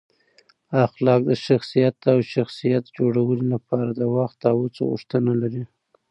اخلاق د شخصیت او شخصیت جوړونې لپاره د وخت او هڅو غوښتنه لري.